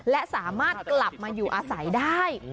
และสามารถกลับมาอยู่อาศัยได้